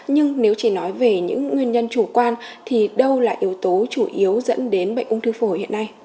nhưng nếu chỉ nói về những nguyên nhân chủ quan thì đâu là yếu tố chủ yếu dẫn đến bệnh ung thư phổi hiện nay